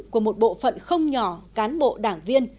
của một bộ phận không nhỏ cán bộ đảng viên